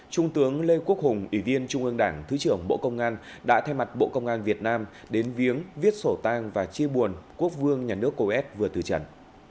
trung tướng lê quốc hùng ủy viên trung ương đảng thứ trưởng bộ công an đã thay mặt bộ công an việt nam đến viếng viết sổ tang và chia buồn quốc vương nhà nước coes vừa từ trần